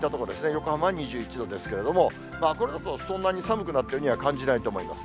横浜は２１度ですけれども、これだとそんなに寒くなったようには感じないと思います。